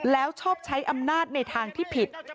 แล้วชอบใช้อำนาจในทางที่ผิด